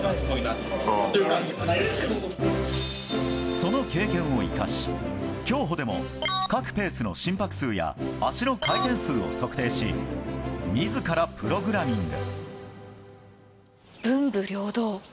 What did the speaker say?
その経験を活かし、競歩でも各ペースの心拍数や足の回転数を測定し自らプログラミング。